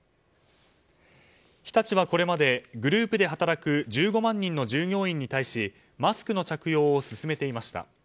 日立はこれまでグループで働く１５万人の従業員に対しマスクの着用を勧めていました。